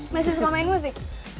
masih suka main musik